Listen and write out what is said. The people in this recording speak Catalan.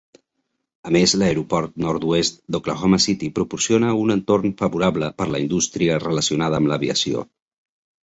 A més, l"aeroport nord-oest d"Oklahoma City proporciona un entorn favorable per la indústria relacionada amb l"aviació.